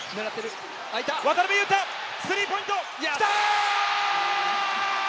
渡邊雄太、スリーポイントきた！